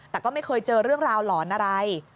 แต่ก็ไม่เคยเจอเรื่องราวหลอนอะไร